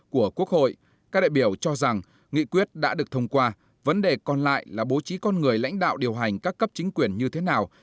các đại biểu cho rằng nghị quyết đã được thông qua vấn đề còn lại là bố trí con người lãnh đạo điều hành các cấp chính quyền như thế nào